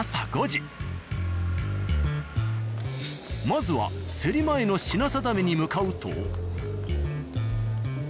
まずはセリ前の品定めに向かうと。